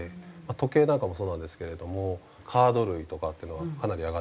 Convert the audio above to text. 時計なんかもそうなんですけれどもカード類とかっていうのはかなり上がってると思います。